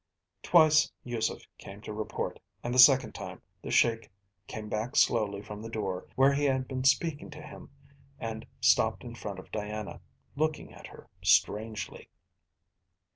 Twice Yusef came to report, and the second time the Sheik came back slowly from the door where he had been speaking to him and stopped in front of Diana, looking at her strangely.